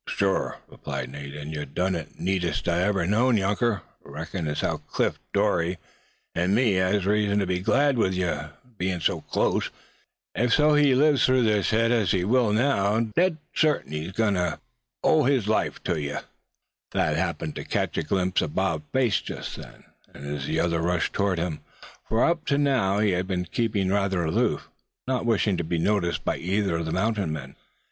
"Sure," replied Nate; "and yuh dun it ther neatest I ever knowed, younker. Reckon as how Cliff Dorie an' me has reason tuh be glad yuh happened tuh be so clost. If so be he lives thru hit, as he will now, dead sartin, he's gwine tuh owe his life tuh yer." Thad happened to catch a glimpse of Bob's face just then, as the other turned toward him; for up to now he had been keeping rather aloof, not wishing to be noticed by either of the mountain men.